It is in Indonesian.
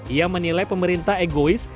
ia menilai pemerintah egois